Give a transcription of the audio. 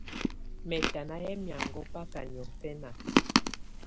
Mɛ̀tana yɛ̀ miaŋgɔ̀á bakà niɔ̀fɛ̀na.